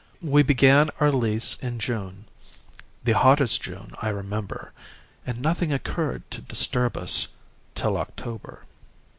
We began our lease in June the hottest June I remember and nothing occurred to disturb us till October.